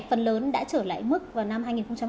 phần lớn đã trở lại mức vào năm hai nghìn hai mươi